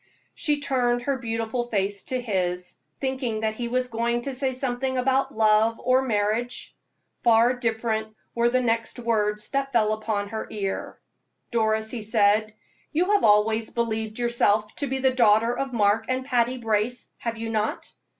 She turned her beautiful face to his, thinking that he was going to say something about love or marriage. Far different were the next words that fell upon her ear. "Doris," he said, "you have always believed yourself to be the daughter of Mark and Patty Brace, have you not?"